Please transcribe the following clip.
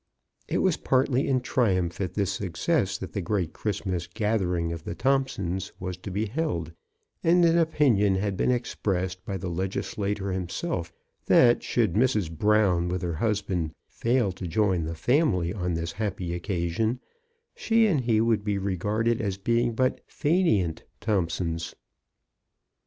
It was partly in triumph at this success that the great Christmas gathering of the Thompsons was to be held, and an opin ion had been expressed by the legislator himself that, should Mrs. Brown, with her husband, fail to join the family on this happy occasion, she and he would be regarded as being but /^/;/?^«/ Thompsons.